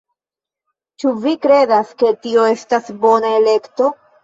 Ĉu vi kredas, ke tio estas bona elekto